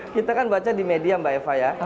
kita kan baca di media mbak eva ya